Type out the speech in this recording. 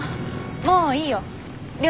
もういいよりょ